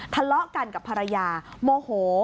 ทะเลาะกันกับภรรยาโมโห